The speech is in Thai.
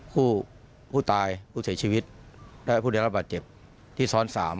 ผู้ตายผู้เสียชีวิตและผู้ได้รับบาดเจ็บที่ซ้อน๓